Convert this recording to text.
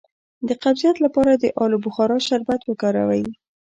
د قبضیت لپاره د الو بخارا شربت وکاروئ